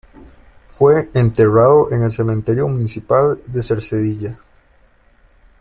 Fue enterrado en el Cementerio Municipal de Cercedilla.